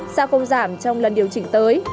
sao không giảm trong lần điều chỉnh tới